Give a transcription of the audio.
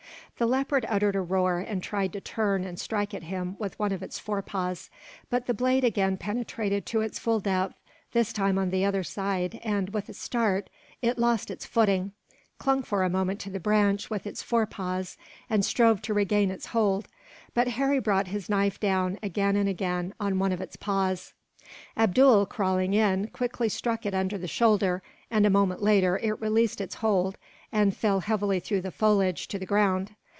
The leopard uttered a roar, and tried to turn and strike at him with one of its forepaws; but the blade again penetrated to its full depth, this time on the other side and, with a start, it lost its footing, clung for a moment to the branch with its forepaws, and strove to regain its hold; but Harry brought his knife down, again and again, on one of its paws. Abdool, crawling in, quickly struck it under the shoulder and, a moment later, it released its hold and fell heavily through the foliage to the ground.